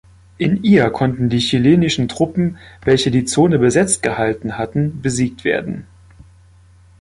In ihr konnten die chilenischen Truppen, welche die Zone besetzt gehalten hatten, besiegt werden.